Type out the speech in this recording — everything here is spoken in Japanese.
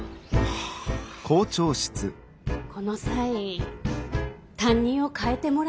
この際担任を代えてもらえませんか。